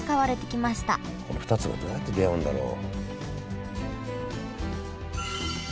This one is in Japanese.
この２つがどうやって出会うんだろう？